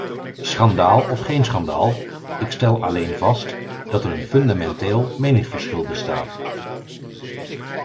Schandaal of geen schandaal, ik stel alleen vast dat er een fundamenteel meningsverschil bestaat.